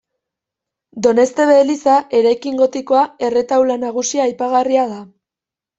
Doneztebe eliza, eraikin gotikoa, erretaula nagusia aipagarri da.